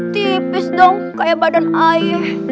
tipis dong kayak badan air